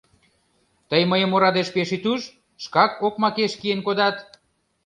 Тый мыйым орадеш пеш ит уж, шкак окмакеш киен кодат!